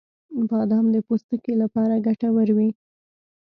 • بادام د پوستکي لپاره ګټور وي.